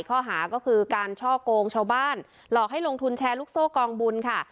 ข้อหาก็คือการช่อกงชาวบ้านหลอกให้ลงทุนแชร์ลูกโซ่กองบุญค่ะ